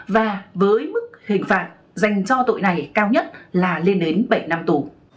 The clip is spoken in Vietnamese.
và với mức hình phạt dành cho tội này cao nhất là lên đến bảy năm tù